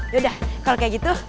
yaudah kalau kaya gitu